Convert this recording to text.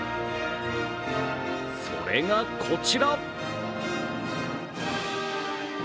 それがこちら！